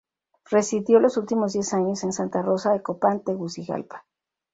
Residió los últimos diez años en Santa Rosa de Copán, Tegucigalpa.